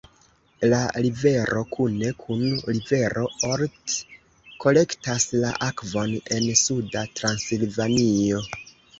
La rivero kune kun rivero Olt kolektas la akvon en Suda Transilvanio.